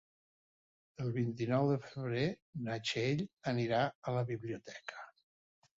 El vint-i-nou de febrer na Txell anirà a la biblioteca.